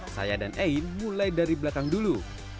saya dan ain mulai dari belakang dulu